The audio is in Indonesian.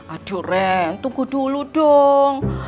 aduh ren tunggu dulu dong